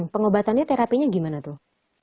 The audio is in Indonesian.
pengobatannya terapinya gimana tuh